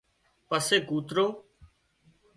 پسي ڪوترو